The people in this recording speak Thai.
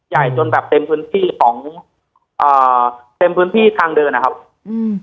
ใหญ่จนแบบเต็มพื้นที่ของอ่าเต็มพื้นที่ทางเดินนะครับอืม